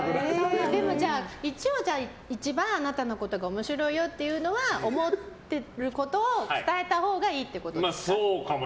でもじゃあ、一番あなたが面白いよっていうのを思ってることを伝えたほうがいいってことですか。